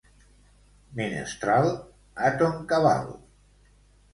Menestral, a ton cabal.